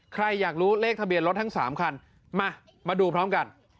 ใครอยากรู้เลขทะเบียนรถทั้ง๓คันมามาดูพร้อมกัน